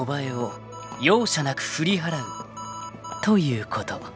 ［容赦なく振り払うということ］